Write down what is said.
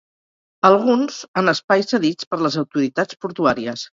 alguns en espais cedits per les autoritats portuàries